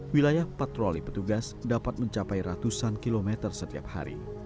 wilayah patroli petugas dapat mencapai ratusan kilometer setiap hari